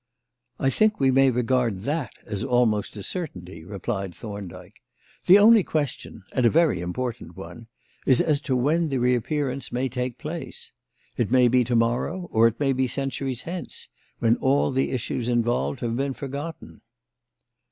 "I think we may regard that as almost a certainty," replied Thorndyke. "The only question and a very important one is as to when the reappearance may take place. It may be to morrow or it may be centuries hence, when all the issues involved have been forgotten."